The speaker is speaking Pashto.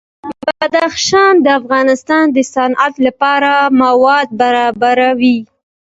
بدخشان د افغانستان د صنعت لپاره مواد برابروي.